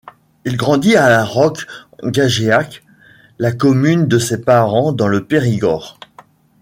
Il grandit à La Roque-Gageac, la commune de ses parents dans le Périgord.